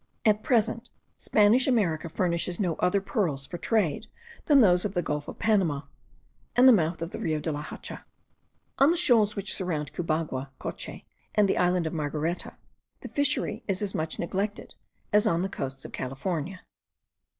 At present Spanish America furnishes no other pearls for trade than those of the gulf of Panama, and the mouth of the Rio de la Hacha. On the shoals which surround Cubagua, Coche, and the island of Margareta, the fishery is as much neglected as on the coasts of California.